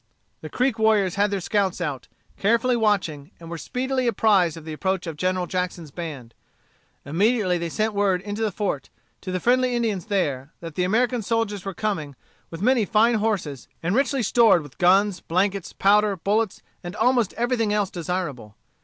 The Creek warriors had their scouts out, carefully watching, and were speedily apprised of the approach of General Jackson's band. Immediately they sent word into the fort, to the friendly Indians there, that the American soldiers were coming, with many fine horses, and richly stored with guns, blankets, powder, bullets, and almost everything else desirable.